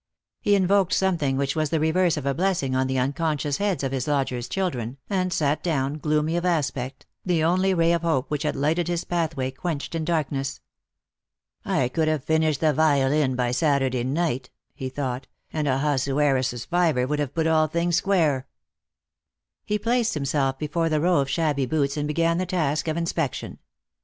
He invoked something which was the reverse of a blessing on the unconscious heads of his lodger's children, and sat down, gloomy of aspect, the only ray of hope which had lighted his pathway quenched in darkness. " I could have finished the violin by Saturday night," he thought, " and Ahasuerus's fiver would have put all things square." He placed himself before the row of shabby boots, and began the task of inspection.